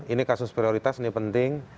ini kasus prioritas ini penting